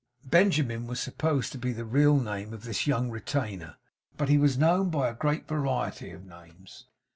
Benjamin was supposed to be the real name of this young retainer but he was known by a great variety of names.